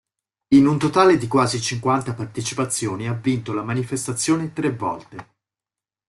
In un totale di quasi cinquanta partecipazioni ha vinto la manifestazione tre volte.